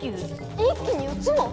一気に４つも？